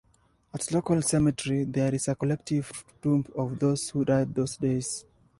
At local cemetery there is a collective tomb of those who died those days.